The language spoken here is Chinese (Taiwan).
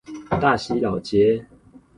大溪老街